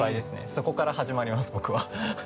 そこから始まります、僕は。